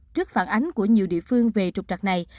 trước phản ánh của nhiều địa phương về trục trặc này